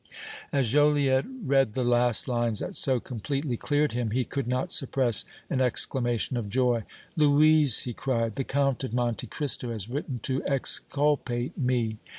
As Joliette read the last lines that so completely cleared him, he could not suppress an exclamation of joy. "Louise," he cried, "the Count of Monte Cristo has written to exculpate me!"